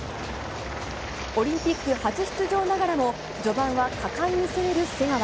オリンピック初出場ながらも、序盤は果敢に攻める瀬川。